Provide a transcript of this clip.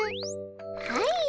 はい。